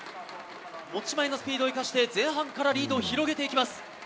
持ち前のスピードを生かして前半からリードを広げます。